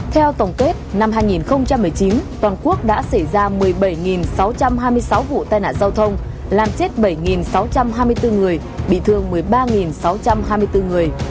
theo tổng kết năm hai nghìn một mươi chín toàn quốc đã xảy ra một mươi bảy sáu trăm hai mươi sáu vụ tai nạn giao thông làm chết bảy sáu trăm hai mươi bốn người bị thương một mươi ba sáu trăm hai mươi bốn người